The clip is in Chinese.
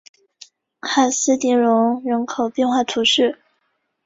卡斯蒂隆人口变化图示